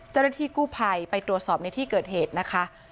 เจ้าหน้าที่กู้ภัยไปตรวจสอบในที่เกิดเหตุนะคะ